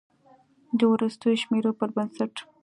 د وروستیو شمیرو پر بنسټ